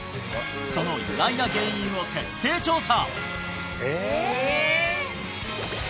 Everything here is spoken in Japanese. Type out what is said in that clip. その意外な原因を徹底調査！